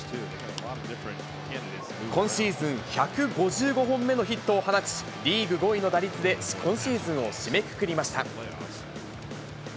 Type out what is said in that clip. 今シーズン１５５本目のヒットを放ち、リーグ５位の打率で今シーズンを締めくくりました。